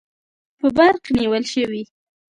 په برق نیول شوي